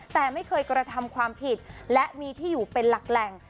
แต่ไม่เคยกระทำความผิดและมีที่อยู่เป็นหลักแหล่ง